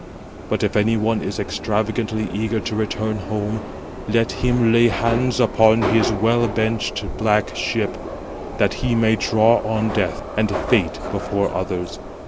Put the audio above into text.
But if any one is extravagantly eager to return home, let him lay hands upon his well benched black ship, that he may draw on death and fate before others.